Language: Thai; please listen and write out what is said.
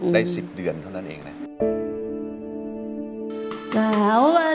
ได้๑๐เดือนเท่านั้นเองนะ